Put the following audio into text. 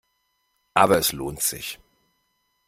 Aber es lohnt sich.